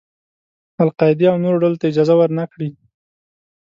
القاعدې او نورو ډلو ته اجازه ور نه کړي.